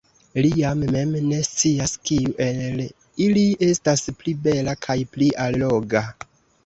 Li jam mem ne scias, kiu el ili estas pli bela kaj pli alloga.